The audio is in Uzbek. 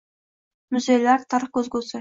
Muzeylar – tarix ko‘zgusi